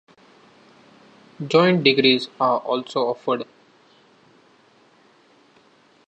Joint degrees are also offered.